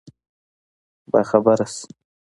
باخبره شي.